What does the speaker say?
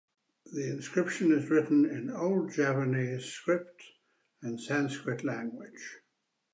The inscription is written in Old Javanese script and Sanskrit language.